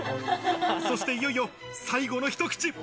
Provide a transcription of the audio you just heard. そしていよいよ最後の一口。